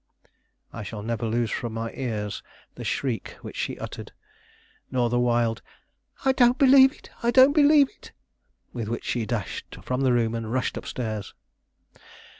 I shall never lose from my ears the shriek which she uttered, nor the wild, "I don't believe it! I don't believe it!" with which she dashed from the room and rushed up stairs.